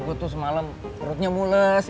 gue tuh semalam perutnya mulas